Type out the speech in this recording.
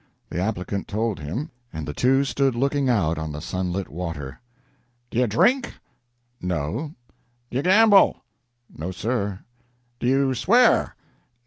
The applicant told him, and the two stood looking out on the sunlit water. "Do you drink?" "No." "Do you gamble?" "No, sir." "Do you swear?"